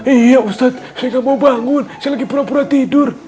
iya ustadz saya gak mau bangun saya lagi pura pura tidur